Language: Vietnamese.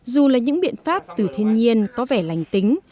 dù là những biện pháp từ thiên nhiên có vẻ lành tính